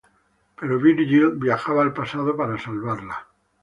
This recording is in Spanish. Pero Virgil viaja al pasado para salvarla.